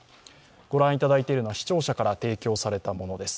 ご覧いただいているのは、視聴者から提供されたものです。